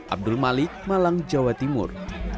abdul malik malang jawa timur